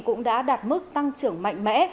cũng đã đạt mức tăng trưởng mạnh mẽ